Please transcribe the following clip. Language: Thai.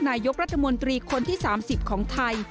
นายกรัฐมนตรีคนที่๓๐ของไทย